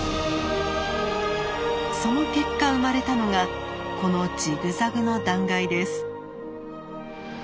その結果生まれたのがこのジグザグの断崖です。